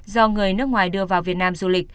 do người nước ngoài đưa vào việt nam du lịch